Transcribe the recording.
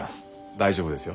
大丈夫ですよ。